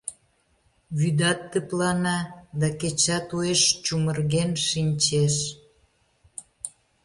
Вӱдат тыплана, да кечат уэш «чумырген» шинчеш.